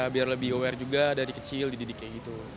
biar lebih aware juga dari kecil dididik kayak gitu